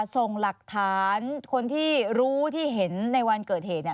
ส่งหลักฐานคนที่รู้ที่เห็นในวันเกิดเหตุเนี่ย